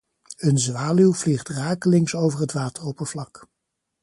Een zwaluw vliegt rakelings over het wateroppervlak.